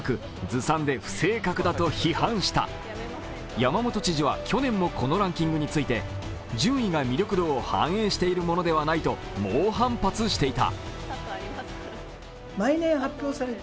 山本知事は去年もこのランキングについて順位が魅力度を反映しているものではないと猛反発していた。